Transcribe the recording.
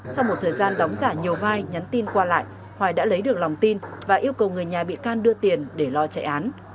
sau một thời gian đóng giả nhiều vai nhắn tin qua lại hoài đã lấy được lòng tin và yêu cầu người nhà bị can đưa tiền để lo chạy án